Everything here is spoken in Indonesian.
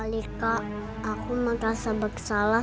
alika aku merasa bersalah